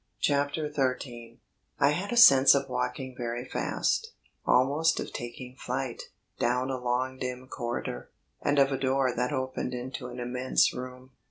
CHAPTER THIRTEEN I had a sense of walking very fast almost of taking flight down a long dim corridor, and of a door that opened into an immense room.